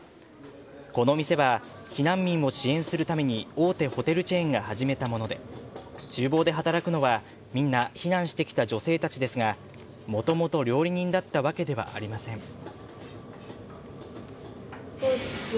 この店は避難民を支援するために大手ホテルチェーンが始めたもので厨房で働くのはみんな避難してきた女性たちですがもともと料理人だったわけではありません。